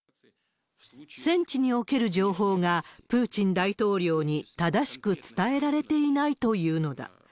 戦地における情報が、プーチン大統領に正しく伝えられていないというのだ。